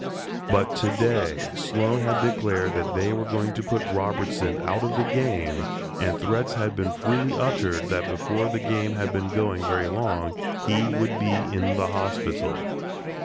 But to day Sloan had declared that they were going to put Robertson out of the game and threats had been freely uttered that before the game had been going very long he "would be in the hospital."